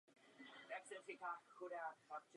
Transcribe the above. V evropském prostředí poušť zastupoval les.